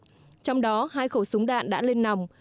trong đó hai khẩu súng đạn đã lên nòng